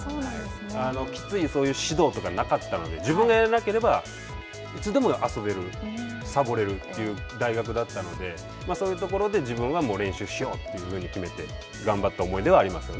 きつい、そういう指導とかなかったので、自分がやらなければ、いつでも遊べる、さぼれるという大学だったので、そういうところで、自分は練習しようというふうに決めて、頑張った思い出はあります